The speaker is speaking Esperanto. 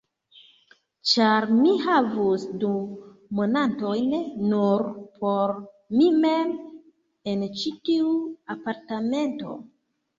Ĉar mi havus du monatojn, nur por mi mem, en ĉi tiu apartamento.